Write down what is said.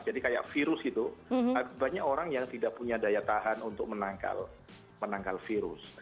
jadi kayak virus itu banyak orang yang tidak punya daya tahan untuk menangkal virus